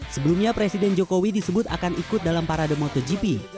sebelumnya presiden jokowi disebut akan ikut dalam parade motogp